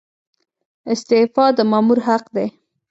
استعفا د مامور حق دی